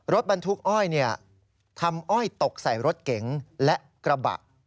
รถบรรทุกอ้อยทำอ้อยตกใส่รถเก๋งและกระบะ